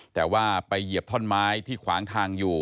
แต่ว่าไปเหยียบท่อนไม้ที่ขวางทางอยู่